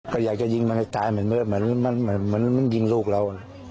ก็อยากจะยิงมันให้ตายเหมือนมันยิงลูกเรา